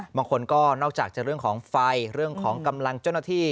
บางคนก็นอกจากจะเรื่องของไฟเรื่องของกำลังเจ้าหน้าที่